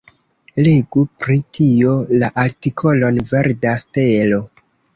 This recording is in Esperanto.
Legu pri tio la artikolon Verda stelo.